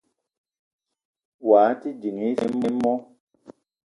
Wao te ding isa i mo?